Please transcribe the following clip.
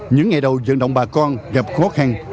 những ngày đầu dẫn động bà con gặp khó khăn